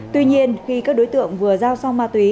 tuy nhiên khi các đối tượng vừa giao xong ma túy